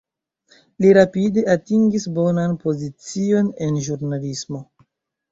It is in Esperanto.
Li rapide atingis bonan pozicion en ĵurnalismo.